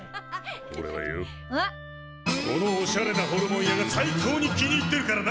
おれはよこのおしゃれなホルモン屋が最高に気に入ってるからな！